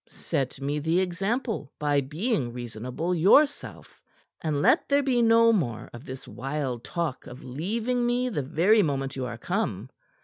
"Set me the example by being reasonable yourself, and let there be no more of this wild talk of leaving me the very moment you are come.